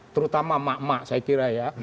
terutama mak mak saya kira ya